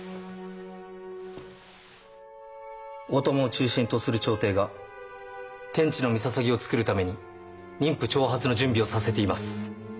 大友を中心とする朝廷が天智の山陵を造るために人夫徴発の準備をさせています。